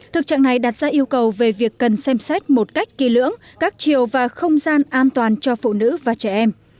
thực trạng này đặt ra yêu cầu về việc cần xem xét một cách kỳ lưỡng các chiều và không gian an toàn cho phụ nữ và trẻ em